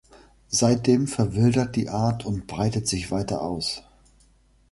Seitdem verwildert die Art und breitet sich weiter aus.